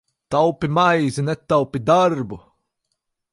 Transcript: Taupi maizi, netaupi darbu!